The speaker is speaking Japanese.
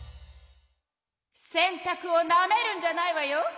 洗たくをなめるんじゃないわよ！